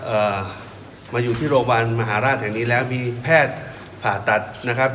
เอ่อมาอยู่ที่โรงพยาบาลมหาราชแห่งนี้แล้วมีแพทย์ผ่าตัดนะครับ